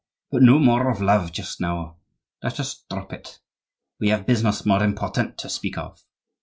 —But no more of love just now; let us drop it! We have business more important to speak of."